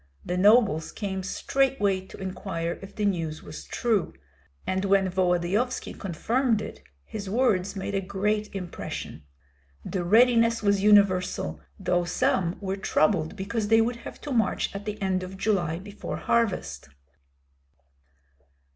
The nobles came straightway to inquire if the news was true; and when Volodyovski confirmed it, his words made a great impression. The readiness was universal, though some were troubled because they would have to march at the end of July before harvest.